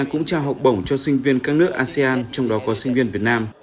cũng trao học bổng cho sinh viên các nước asean trong đó có sinh viên việt nam